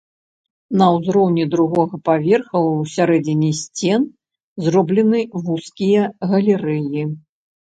На ўзроўні другога паверха ў сярэдзіне сцен зроблены вузкія галерэі.